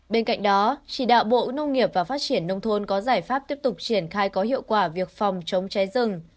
bên cạnh đó chỉ đạo bộ nông nghiệp và phát triển nông thôn có giải pháp tiếp tục triển khai có hiệu quả việc phòng chống cháy rừng